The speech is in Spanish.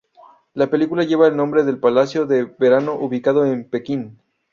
La película lleva el nombre del Palacio de Verano ubicado en Pekín.